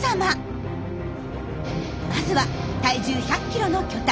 まずは体重１００ｋｇの巨体！